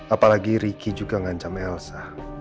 apalagi riki juga ngancam elsa